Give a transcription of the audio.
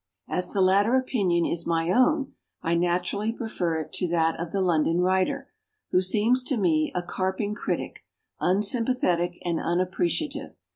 As the latter opinion is my own, I naturally prefer it to that of the London writer, who seems to me a carping critic, unsympa thetic and unappreciative.